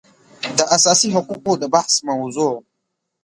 د اساسي حقوقو د بحث موضوع